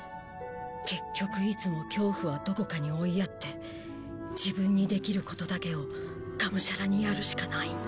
結局いつも恐怖はどこかに追いやって自分にできることだけをがむしゃらにやるしかないんだ。